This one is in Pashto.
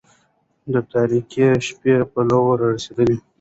د تاريكي شپې پلو را رسېدلى